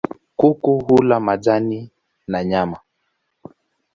Kuku hula majani na nyama.